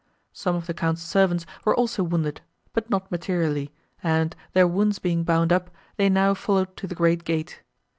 Some of the Count's servants were also wounded—but not materially, and, their wounds being bound up, they now followed to the great gate.